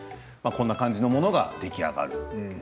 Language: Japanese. こんな感じのものが出来上がります。